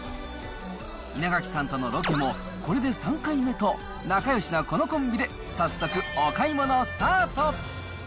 稲垣さんとのロケもこれで３回目と、仲よしなこのコンビで早速お買い物スタート。